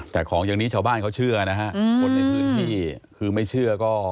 แต่ของอย่างนี้ชาวบ้านเขาเชื่อนะฮะคนในพื้นที่คือไม่เชื่อก็